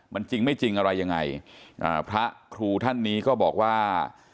มันจริงไม่จริงอะไรยังไงอ่าพระครูท่านนี้ก็บอกว่า